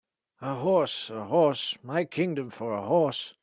A horse, a horse! My kingdom for a horse!